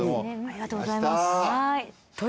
ありがとうございます。